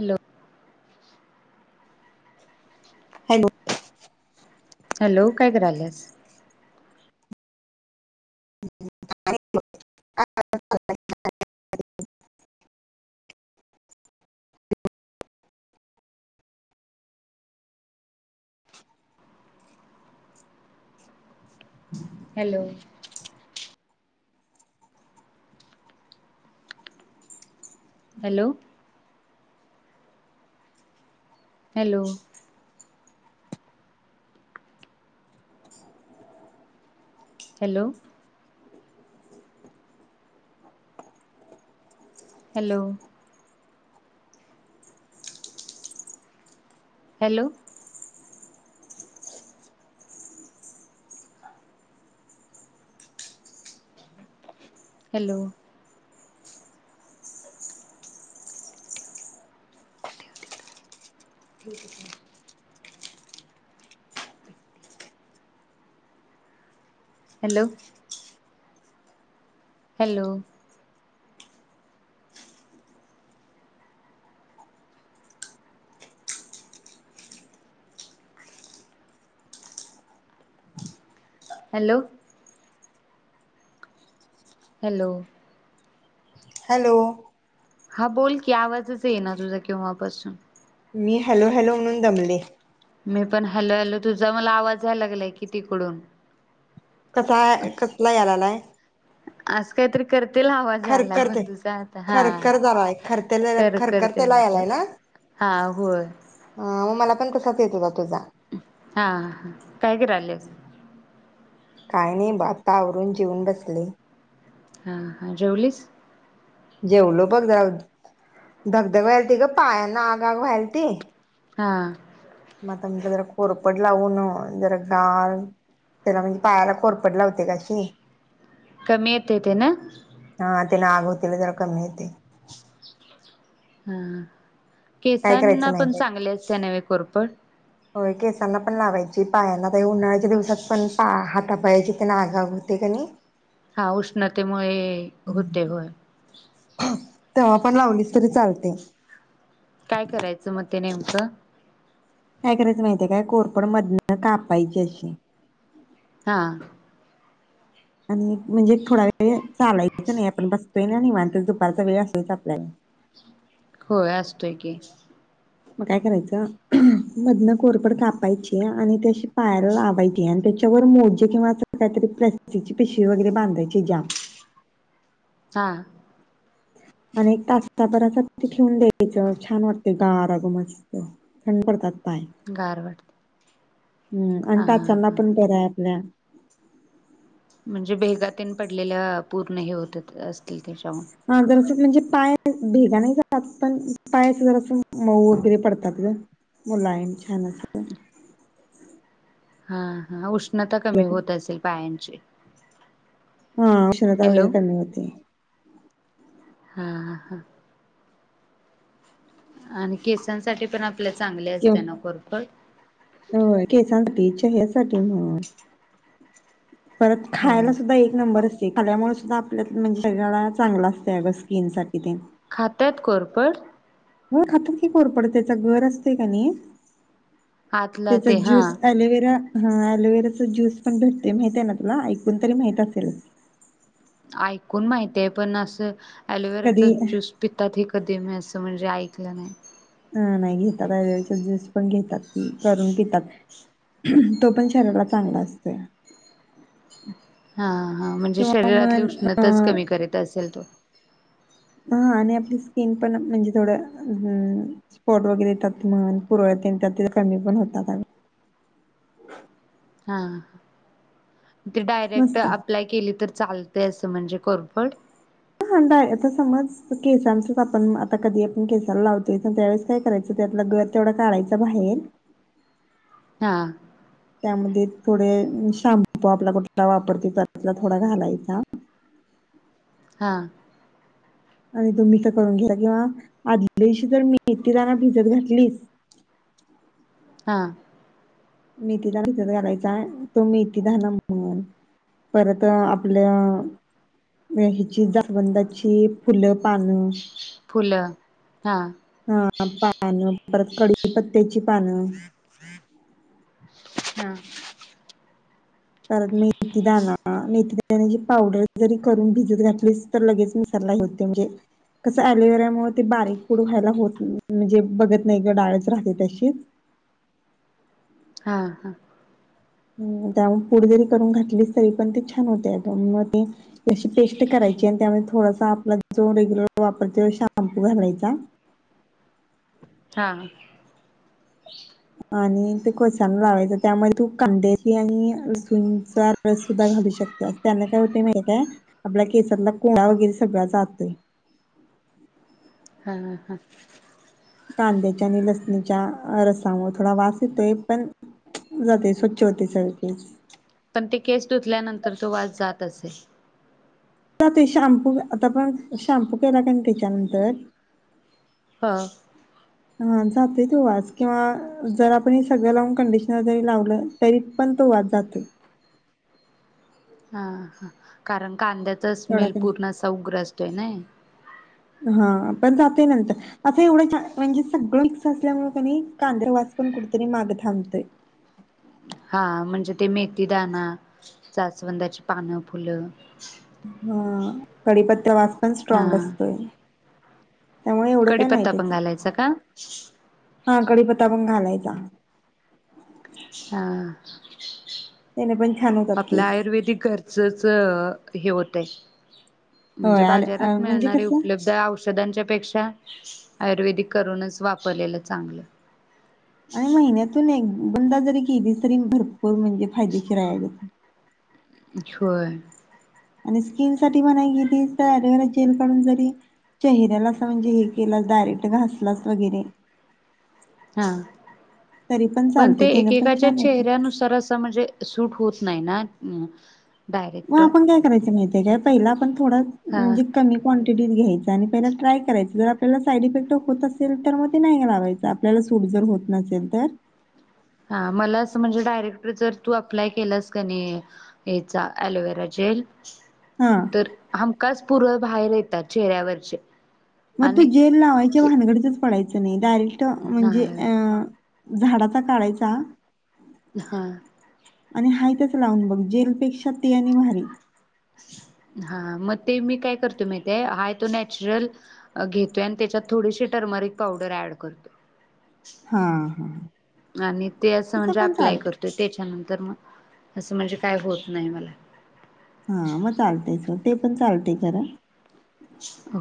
Hello hello hello काय कराल्यास? [unintelligible] Hello hello hello hello hello hello hello ठीकये काय hello hello hello hello hello हा बोल की आवाजच येईना तुझा केव्हापासून मी हॅलो हॅलो म्हणून दमले मी पण हॅलो हॅलो तुझा मला आवाज याय लागलाय कि तिकडून कसा कसला या लालाय आसं काहीतरी कर खरखरतंय खरखर जरा हाय खरतेल्या कर करतेल खरखरतेला ते यालालाय हा होय हा म मला पण तसाच येत हुता तुजा हा काय करायल्यास काय नाही बा आत्ता आवरून जेवून बसले हा हा जेवलीस जेवलो बघ जरा धगधग व्हयालती ग पायांना आग आग व्हायलती हा आता मी जरा कोरपड लावून जरा गाल त्याला म्हणजे पायाला कोरपड लावते ग कशी कमी येतय तेन तेन अंघोळ केल्या तेला काय माहिती हअ केसांना पण माहितीय चांगली आसतीया नव्हें कोरपड होय केसांना पण लावायची पायाला व्हय उन्हाळ्याच्या दिवसात पण पा हात ता पायाची त्याला आग आग होते कणी हा उष्णतेमुळे हे होते बर तेव्हा पण लावलीस तरी चालतय काय करायचं म ते नेमकं? काय करायच माहितीये काय कोरपड मधनं कापायची अशी हा आणि क म्हणजे थोडा वेळ चालायचं नई आपण बस पहिला निवांतच दुपारचा वेळ आसलाच आपलाय होय असतोय की मग काय करायचं मधनं कोरपड कापायची आणि त्या अशी पायाला लावायची आणि त्याच्यावर मोजे किंवा अस काहीतरी प्लास्टिकची पिशवी वगैरे बांधायची जाम हां आणि [unintelligible] ठेऊन द्यायचं छान वाटतय गार अग मस्त थंड पडतात पाय गार वाटतं हम्म आणि टाचाना पण बरंय आपल्या म्हणजे भेगा तेन पडलेल्या पूर्ण हे होत्यात असतील तशे हां जरासं म्हणजे पाय भेगा नाही जात पण पाय असं जरास मऊ वगैरे पडतात गं, मुलायम छान अस् अ हां-हां उश न त कमी असतात होत असेल पायांन चे हो श्रद्धा वगैरे कमी होते हां हां आणि केसांसाठी पण आप क होय केसांठीच त्याझ्यासाठी म्हण परत होय. खायला सुद्धा एक नंबर असं खाल्यामुळे सुद्धा आपल्यात म्हणजे शरीराला चांगलं असतंय अग स्किन साठी तेन खात्यात कोरपड होय खात्यात की कोरपड त्याचा गर असतय कनाई आतला त्याचा ते हा ज्यूस एलोवेरा हां, ऍलोवेराचा ज्यूस पण भेटतोय माहितेना तुला ऐकून तरी माहित असेलच ऐकून माहितेय पण असं ऍलोवेराचा कधी ज्यूस पितात हे कधी मी असं म्हण जे ऐकलं नाही हां नाही घेतात ऍलोवेराचा जूस पण घेतात कि करून पितात तो पण शरीराला चांगला असतोय हां हा म्हणजे किंवा शरीरातली मन अ उष्णताच कमी करीत असेल तो हां, आणि आपली स्किन पण म्हणजे थोडं हम्म स्पॉट वगैरे येतात म्हण पुरळ तेन त्यात ते कमी पण होतात आन हां ती डायरेक्ट मस्त हा अप्लाय केली तर चालतंय अस म्हणजे कोरपड हांडाय आता समज केसांचच आपण आता कधी आपण केसाला लावतोय पण त्यावेेळेस काय करायचं त्यातला गर तेवढा काढायचा बाहेर हा त्यामध्ये थोडे शाम्पू आपला कुठला वापरतोय त्यातला थोडा घालायचा हा आणि तुम्ही तर करून घ्या आदल्यादिवशी जर मेथी दाना भिजत घातलीस हा मेथीदाणा घालायचा आहे तो मेथीदाणा म्हणून परत आपल्या ह्याची जासवंदाची फुलं पानं फुलं हा हा पानं परत कढीपत्त्याची पानं हा परत मेथीदाना मेथीदान्याची पावडर जरी करून भिजत घातलीस तर लगेच मिक्सरला हे होतय म्हजे कसं एलोवेरामुळ ते बारीक पूड व्हायला होत नाही म्हजे बघत नाही ग डाळच राहते तशी हा हा त्यामुळे पुड जरी करून घातलीस तरी पण ते छान होतय अग मग ते अशी पेस्ट करायची आणि त्यामध्ये थोडासा आपला जो रेग्युलर वापरते शाम्पू घालायचा हा आणि ते केसांना लावायच त्यामध्ये तू कांद्याची आणि लसूण चा [unintelligible] सुद्धा घालू शकता त्या काय होतय माहीत का आपल्या केसातला कोंढा वगैरे सगळा जातोय हा हा च्या रसामुळे थोडा वास येतोय पण जातय स्वच्छ होतय सगळ केस पण ते केस धुतल्यानंतर तो वास जात तसे आता ते शॅम्पू आता आपण शॅम्पू केला काय नाही तेच्यानंतर हा हा जातोय तो वास किंवा जर आपण हे सगळं लावून कंडिशनर जरी लावलं तरी पण तो वास जातोय हां हां कारण कांद्याचा तेवढा स्मेल पूर्ण कमी असा उग्र आसतोय नई हा पण जाते नंतर असं एवढं म्हणजे सगळं मिक्स असल्यामुळे कणी कांद्रवास पण कुठेतरी माग थांबतय हा म्हणजे ते मेथीदाना जास्वंदाची पानं फुलं हा कढीपत्त्या वास पण हा स्ट्राँग असतोय त्यामुळे एवढं काय नाही कडीपत्ता पण त्याच घालायचा का हा कढीपत्ता पण घालाय जा हा त्याने पण छान होतात आपल्या केस आयुर्वेदिक घरचच अ हे होतय होय म्हणजे आल- अ, बाज्यारात म्हणजे मिळणारे कसं उपलब्ध औष [inaudible] च्या पेक्षा आयुर्वेदिक करूनच वापरलेलं चांगलं आय महिन्यातून एक बंद जरी केलीस तरी भर बग म्हणजे फायदेशीर हाय आणि होय आणि स्किन साठी म्हणा गेली तर एलोवेरा जेल काडून जरी चेहऱ्याला अस म्हणजे हे केलं डायरेक्ट घासलास वगैरे हा तरी पण चालते ते त्याने पण छान एकेकाच्या होते. चेहऱ्यानुसार असं म्हणजे सूट होत नाही ना हम मग आपण काय करायचं माहितीय काय पहिला आपण थोडा हा म्हणजे कमी क्वांटिटी मुठीत घ्यायचं आणि पहिला ट्राय करायचं जर आपल्याला साईड इफेक्ट होत असेल तर मग नाही लावायचं आपल्याला जर सुटत नसेल तर हा मला असं म्हणजे डायरेक्ट जर तु अप्लाय केलास का नाही याचा एलोवेरा जेल हा तर हमखास पुरत बाहेर येतात चेहऱ्यावरचे मग तु आणि जेल लावायच्या भानगडीतच पडायचं [inaudible] डायरेक्ट म्हणजे नाही अ झाडाचा काढायचा हा आणि हाय तेच लावून बघ जेलपेक्षा ते आणि भारी हा म ते मी काय करतो माहितीय हाय तो नॅचरल घेतोय आणि त्याच्यात थोडीशी टर्मरिक पावडर ऍड करतो हा हा आणि ते असं तसं म्हणजे पण अप्लाय चालते. करतोय त्याच्यानंतर तर मग म्हणजे काय होत नाही मला हा मग चालतंय [inaudible] ते पण चालते खरं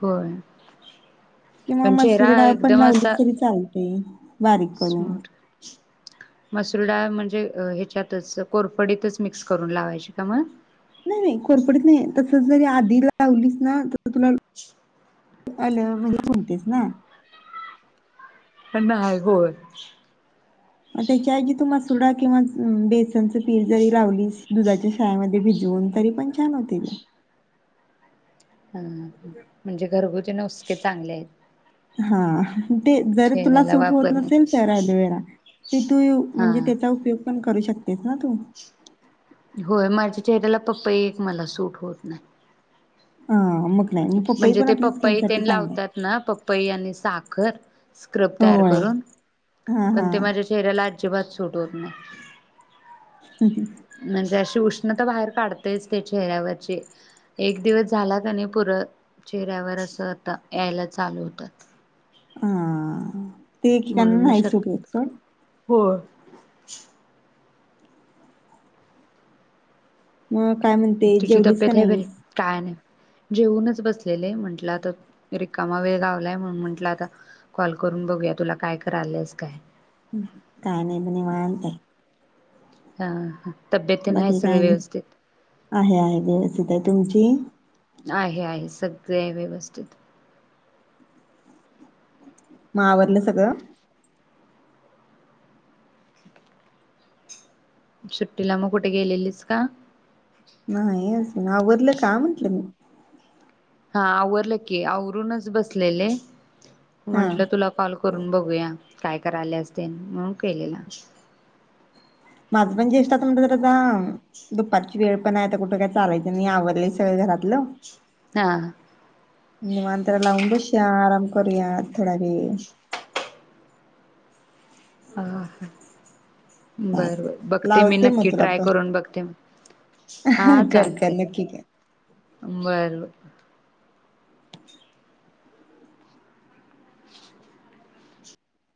होय किंवा पण चेहरा मसूर डाळ पण लावली तरी चालती ते स्मोट मसुर डाळ म्हणजे ह्याच्यातच कोरफडीतच मिक्स करून लावायची का मग नाही नाही कोरपडीत नाही तसंच जरी आधी लावलीच ना ते तुला [inaudible] आलं म्हणजे कोणतेच ना पण [inaudible] नाहीय गो त्याच्या ऐवजी तुम्हास सोडा किंवा बेसन च पीठ जरी लावलीस दुधाच्या शायामध्ये भिजवून तरी पण छान होतील ह म्हणजे घरगुती नुसके चांगले आहेत हा [inaudible] ते जर तुला चेहऱ्याला सूट होत नसेल वापरण्यासाठी तर अलोवेरा ते तु यू हा. म्हणजे त्याचा उपयोग पण करू शक तेच ना तु होय माझ्या चेहऱ्याला पपई एक मला सूट होत नाही हा मग नाही मग पपई म्हणजे पण ते आपल्या स्किन पपई साठी तेन चांगला लावतात ना पपई आणि सा खर स्क्रब आहे तयार होय करून हा पण ते हा माझ्या चेहऱ्याला अजि अजिबात सूट होत नई हम् हम म्हणजे अशी उष्णता बाहेर काढतेच ते चेहऱ्यावरची एक दिवस झाला कणी पुरळ चेहऱ्यावर असं आता यायला चालू हुतं हा ते एकेकांना नाही सूट होत सोड होय मग काय म्हणते जेवलीस का नाहीस? जेऊनच बसलेले म्हटलं आता रिकामा वेळ गावलाय म्हणून म्हंटलं आता कॉल करून बघूया तुला काय कराल्यास काय काही नाही बघ निवांत आहे हा हा बाकी काय आणि आहे आहे व्यवस्थित हाय तुमची आहे आहे सगळे आहे व्यवस्थित म आवरलं सगळं? सुट्टीला मग कुठे गेलेलीस का? नाही अजून आवरलं का म्हंटलं मी हा आवरलं की आवरूनच बसलेले हा म्हंटलं तुला कॉल करून बघूया काय कराल्यास तेन म्हणून केलेला माझपण ज्येष्ठां [unintelligible] हम दुपारची वेळ पण नाही आता कुठे काय चालायचं नाही आवरलं ते सगळ घरातलं हा निवांत लावून बसुया आराम करूया थोड वेळ हा हा बर बर बघते मी लावते नक्की मग तुला ट्राय पण करून बघते मग हा कर कर चालतय नक्की कर बर, बर